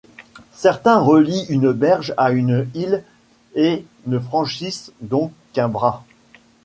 Certains relient une berge à une île et ne franchissent donc qu'un bras.